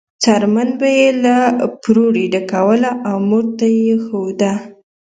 څرمن به یې له پروړې ډکوله او مور ته یې وښوده.